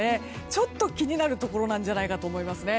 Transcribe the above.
ちょっと気になるところなんじゃないかと思います。